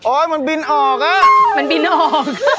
โอ๊ยมันบินออกอะมันบินออก